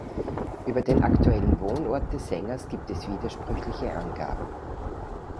Über den aktuellen Wohnort des Sängers gibt es widersprüchliche Angaben.